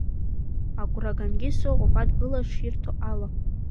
Агәра гангьы сыҟоуп адгылара ширҭо ала…